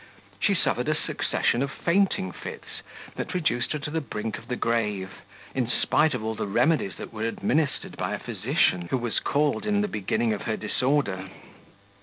She suffered a succession of fainting fits that reduced her to the brink of the grave, in spite of all the remedies that were administered by a physician, who was called in the beginning of her disorder.